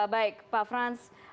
baik pak frans